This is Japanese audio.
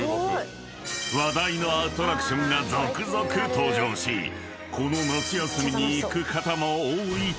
［話題のアトラクションが続々登場しこの夏休みに行く方も多いと思うが］